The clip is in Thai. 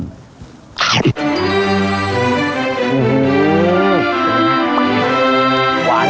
บุ้งฮือบุ้ง